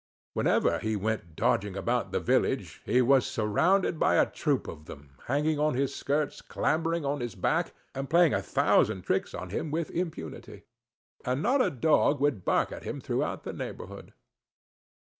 Whenever he went dodging about the village, he was surrounded by a troop of them, hanging on his skirts, clambering on his back, and playing a thousand tricks on him with impunity; and not a dog would bark at him throughout the neighborhood.